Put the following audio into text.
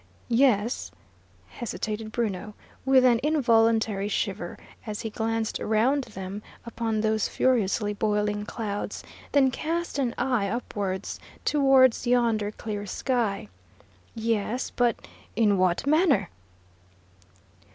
"Yes," hesitated Bruno, with an involuntary shiver, as he glanced around them upon those furiously boiling clouds, then cast an eye upward, towards yonder clear sky. "Yes, but in what manner?"